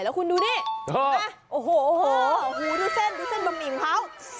แล้วคุณดูนี่นะโอ้โหหูดูเส้นดูเส้นบะหมี่ของเขา